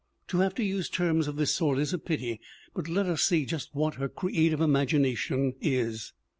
To have to use terms of this sort is a pity, but let us see just what her "creative imagination" is.